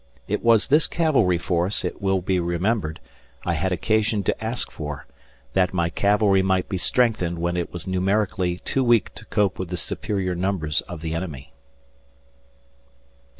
It was this cavalry force, it will be remembered, I had occasion to ask for, that my cavalry might be strengthened when it was numerically too weak to cope with the superior numbers of the enemy.